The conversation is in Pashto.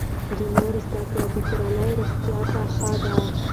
د مور زده کړه د کورنۍ روغتیا ته ښه ده.